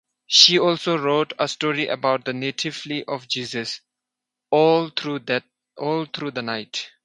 She also wrote a story about the nativity of Jesus, "All Through the Night".